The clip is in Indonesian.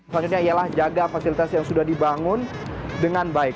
selanjutnya ialah jaga fasilitas yang sudah dibangun dengan baik